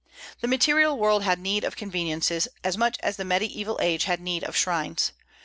The material world had need of conveniences, as much as the Mediaeval age had need of shrines.